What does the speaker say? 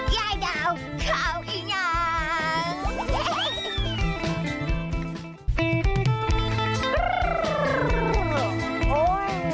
ย่าดาวเข้าอีน้อง